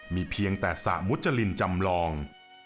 มีเพียงแต่สระมุจรินจำลอง